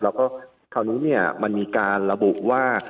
แล้วก็คราวนี้เนี่ยมันมีการระบุว่า